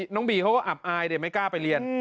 น้องบีเขาก็อับอายไม่กล้าไปเรียน